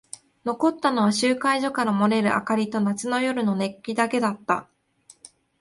残ったのは集会所から漏れる明かりと夏の夜の熱気だけだった。